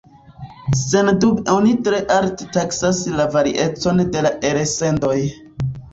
Sendube oni tre alte taksas la variecon de la elsendoj.